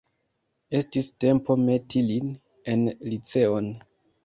Estis tempo meti lin en liceon.